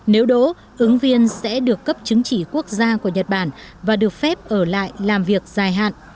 nếu đố ứng viên sẽ được cấp chứng chỉ quốc gia của nhật bản và được phép ở lại làm việc dài hạn